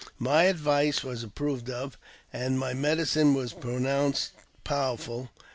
I My advice was approved of, and my medicine was pronounced powerful.